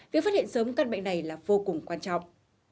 việc phát hiện sớm căn bệnh này là vô cùng quan trọng